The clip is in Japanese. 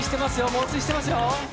猛追してますよ